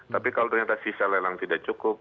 tapi kalau ternyata sisa lelang tidak cukup